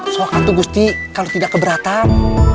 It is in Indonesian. soal kartu gusti kalau tidak keberatan